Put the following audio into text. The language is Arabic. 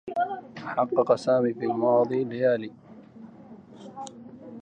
حقّق سامي في ماضي ليلى.